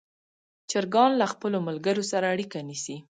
چرګان له خپلو ملګرو سره اړیکه نیسي.